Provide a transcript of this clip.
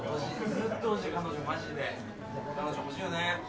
ずーっとほしい彼女マジで彼女ほしいよね